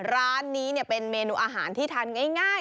ร้านนี้เป็นเมนูอาหารที่ทานง่าย